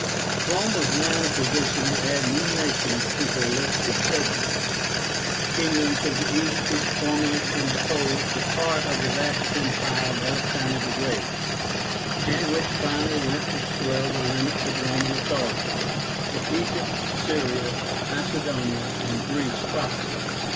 ROME was now in a position to add new nations to her list of subjects. The kingdoms of the East which formerly composed a part of the vast empire of Alexander the Great, and which finally went to swell the limits of Roman authority, were Egypt, Syria, Macedonia, and Greece proper.